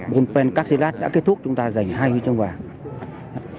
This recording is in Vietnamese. môn pencastelat đã kết thúc chúng ta giành hai huy chương vàng